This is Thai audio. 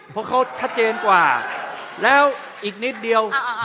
เพราะเขาชัดเจนกว่าแล้วอีกนิดเดียว